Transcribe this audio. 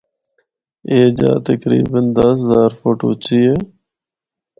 اے جآ تقریبا دس ہزار فٹ اُچی ہے۔